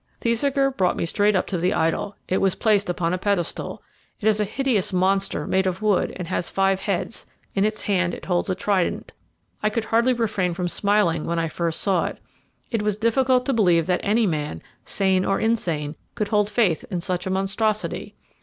Thesiger brought me straight up to the idol. It was placed upon a pedestal. It is a hideous monster made of wood, and has five heads; in its hand it holds a trident. I could hardly refrain from smiling when I first saw it. It was difficult to believe that any man, sane or insane, could hold faith in such a monstrosity.